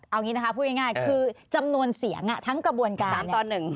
เอางี้นะคะพูดง่ายง่ายคือจำนวนเสียงอ่ะทั้งกระบวนการตอนหนึ่ง